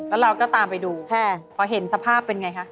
แล้วเราก็ตามไปดูพอเห็นสภาพเป็นไงคะ